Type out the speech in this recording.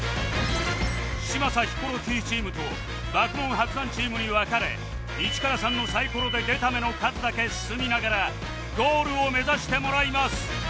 嶋佐・ヒコロヒーチームと爆問・伯山チームに分かれ１から３のサイコロで出た目の数だけ進みながらゴールを目指してもらいます